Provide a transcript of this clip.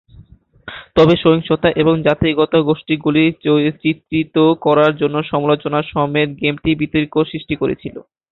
তবে, সহিংসতা এবং জাতিগত গোষ্ঠীগুলির চিত্রিত করার জন্য সমালোচনা সমেত গেমটি বিতর্ক সৃষ্টি করেছিল।